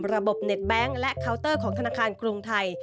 ระบบเน็ตแบงค์และเคาน์เตอร์ของธนาคารกรุงไทย